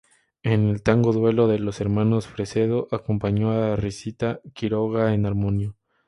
En el tango "Duelo" de los hermanos Fresedo acompañó a Rosita Quiroga en armonio.